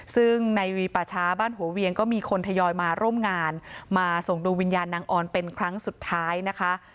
ซึ่งในวีปาชาบ้านหัวเวียงก็มีคนทยอยมาร่วมงานมาส่งดวงวิญญาณนางออนเป็นครั้งสุดท้ายนะคะ